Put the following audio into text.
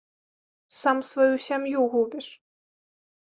Сам сваю сям'ю губіш.